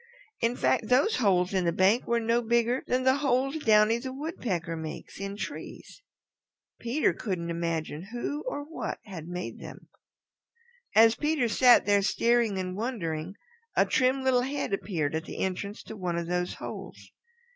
In fact, those holes in the bank were no bigger than the holes Downy the Woodpecker makes in trees. Peter couldn't imagine who or what had made them. As Peter sat there staring and wondering a trim little head appeared at the entrance to one of those holes.